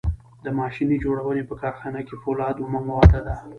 د ماشین جوړونې په کارخانه کې فولاد اومه ماده ده.